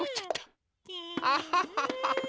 アハハハハ！